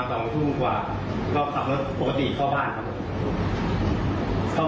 ก็ออกจากบริษัทมาสองทุ่มกว่าก็ขับแล้วปกติเข้าบ้านครับ